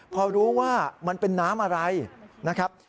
พอรู้ว่ามันเป็นน้ำอะไรนะครับ